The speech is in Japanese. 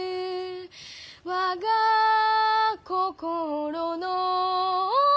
「我が心の」